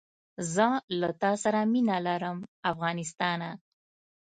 زه له تاسره مینه لرم افغانستانه